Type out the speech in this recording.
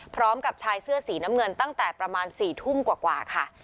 พร้อมกับชายเสื้อสีน้ำเงินตั้งแต่ประมาณ๔ทุ่มกว่าค่ะ